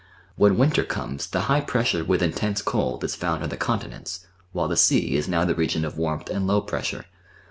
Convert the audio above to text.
When winter comes the high pressure with intense cold is found on the continents, while the sea is now the region of warmth and low pressure.